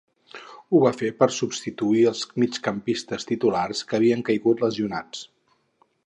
Ho va fer per a substituir els migcampistes titulars que havien caigut lesionats.